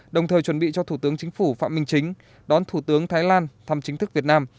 đồng thời chuẩn bị cho thủ tướng chính phủ phạm minh chính đón thủ tướng thái lan thăm chính thức việt nam